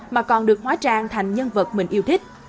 mà còn được hóa trang thành nhân vật mình yêu thích